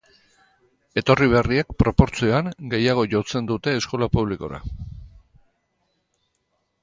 Etorri berriek, proportzioan, gehiago jotzen dute eskola publikora.